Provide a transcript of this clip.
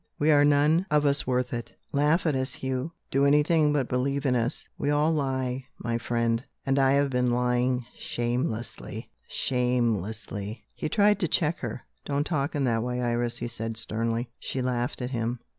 We are none of us worth it. Laugh at us, Hugh do anything but believe in us. We all lie, my friend. And I have been lying shamelessly! shamelessly!" He tried to check her. "Don't talk in that way, Iris," he said sternly. She laughed at him.